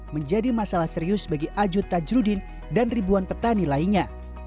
menjadi masalah serius bagi ajud tajrudin dan ribuan petani lainnya